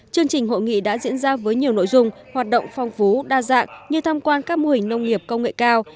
chương trình hội nghị đã diễn ra với nhiều nội dung hoạt động phong phú đa dạng như tham quan các mô hình nông nghiệp công nghệ cao